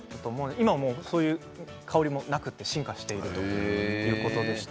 今はそういう香りもなくて進化しているということでした。